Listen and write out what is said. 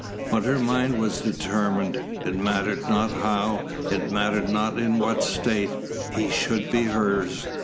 But her mind was determined. It mattered not how, it mattered not in what state, he should be hers.